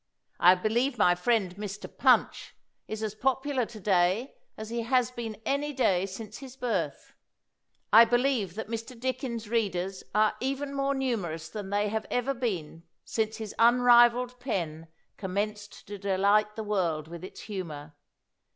I believe my friend Mr. "Punch" is as popular to day as he has been any day since his birth; I believe that ]\Ir. Dickens's readers are even more numerous than they have ever been since his unrivaled pen commenced to delight the world with its humor.